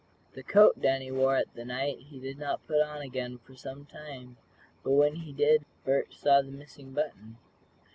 The coat Danny wore that night he did not put on again for some time, but when he did Bert saw the missing button.